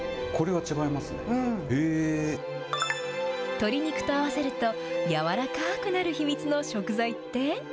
鶏肉と合わせると、柔らかくなる秘密の食材って？